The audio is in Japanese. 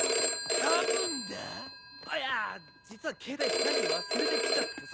多分だ⁉いや実はケータイ部屋に忘れて来ちゃってさ。